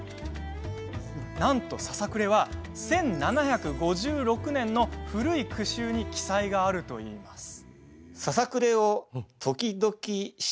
なんと、ささくれ１７５６年の古い句集に記載があるといいます。